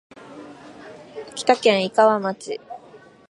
秋田県井川町